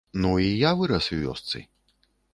Ну, і я вырас у вёсцы.